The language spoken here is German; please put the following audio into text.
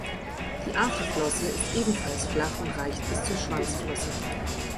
Die Afterflosse ist ebenfalls flach und reicht bis zur Schwanzflosse.